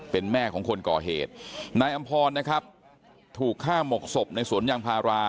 เป็นแม่ของคนก่อเหตุนายอำพรนะครับถูกฆ่าหมกศพในสวนยางพารา